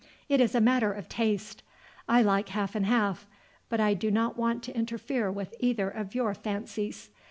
It is a matter of taste. I like half and half, but I do not want to interfere with either of your fancies.